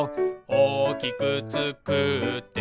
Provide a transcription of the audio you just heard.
「おおきくつくって」